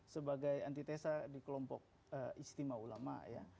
sebagai antitesa di kelompok istimewa ulama ya